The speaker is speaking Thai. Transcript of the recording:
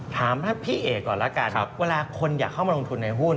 ถามพี่เอกก่อนแล้วกันเวลาคนอยากเข้ามาลงทุนในหุ้น